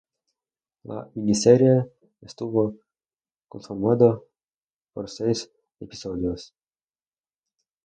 La miniserie estuvo conformada por seis episodios.